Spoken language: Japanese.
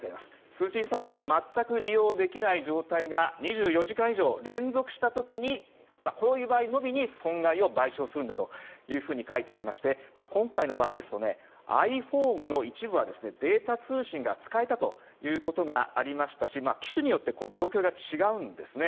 通信サービスが全く利用できない状態が２４時間以上連続した時にこういう場合のみに損害を賠償するんだと書いてありまして今回の場合だとｉＰｈｏｎｅの一部はデータ通信が使えたということがありましたし機種によっては状況が違うんです。